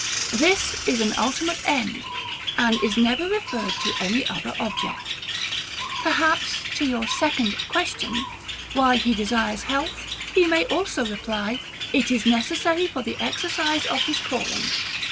This is an ultimate end, and is never referred to any other object. Perhaps to your second question, WHY HE DESIRES HEALTH, he may also reply, that IT IS NECESSARY FOR THE EXERCISE OF HIS CALLING.